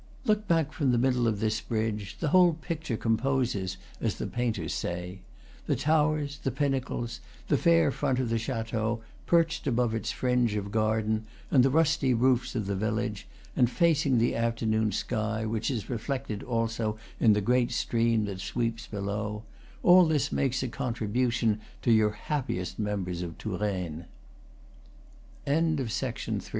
Look back from the middle of this bridge; the whole picture composes, as the painters say. The towers, the pinnacles, the fair front of the chateau, perched above its fringe of garden and the rusty roofs of the village, and facing the afternoon sky, which is reflected also in the great stream that sweeps below, all this makes a contribution to your happiest memories of Tour